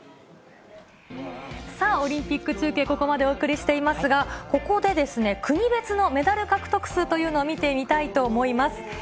さあ、オリンピック中継、ここまでお送りしていますが、ここで国別のメダル獲得数というのを見てみたいと思います。